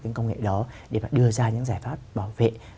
cái công nghệ đó để mà đưa ra những giải pháp bảo vệ